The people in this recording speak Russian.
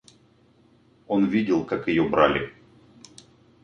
Он видел, как ее брали.